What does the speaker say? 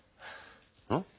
うん？